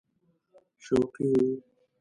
شوقي وو.